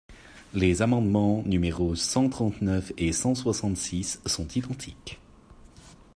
Les amendements numéros cent trente-neuf et cent soixante-six sont identiques.